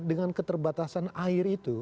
dengan keterbatasan air itu